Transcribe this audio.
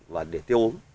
và để tiêu úm